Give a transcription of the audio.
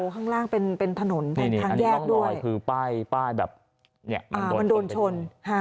ข้างล่างเป็นถนนทางแยกด้วยคือป้ายแบบมันโดนชน